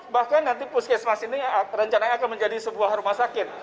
bahkan nanti puskesmas ini rencananya akan menjadi sebuah rumah sakit